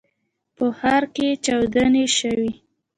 په ښار کې چاودنې شوي.